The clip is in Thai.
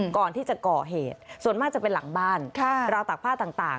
ก่อนที่จะก่อเหตุส่วนมากจะเป็นหลังบ้านราวตากผ้าต่าง